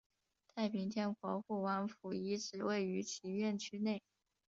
太平天国护王府遗址位于其院区内。